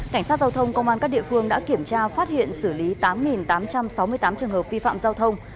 cảnh sát giao thông công an các địa phương đã kiểm tra phát hiện xử lý tám tám trăm sáu mươi tám trường hợp vi phạm giao thông